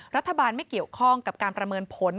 รัฐบาลไม่เกี่ยวข้องกับการประเมินผล